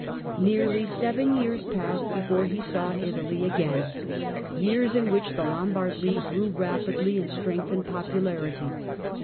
Nearly seven years passed before he saw Italy again, years in which the Lombard League grew rapidly in strength and popularity.